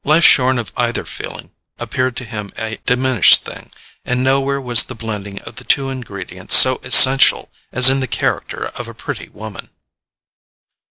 Life shorn of either feeling appeared to him a diminished thing; and nowhere was the blending of the two ingredients so essential as in the character of a pretty woman.